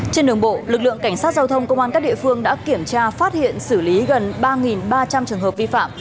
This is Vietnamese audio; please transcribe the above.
trên đường bộ lực lượng cảnh sát giao thông công an các địa phương đã kiểm tra phát hiện xử lý gần ba ba trăm linh trường hợp vi phạm